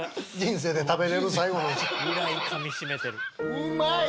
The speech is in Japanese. うまい！